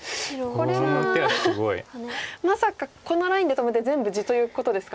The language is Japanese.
これはまさかこのラインで止めて全部地ということですか。